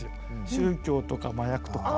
宗教とか麻薬とか。